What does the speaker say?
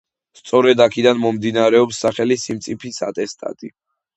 სწორედ აქედან მომდინარეობს სახელი „სიმწიფის ატესტატი“.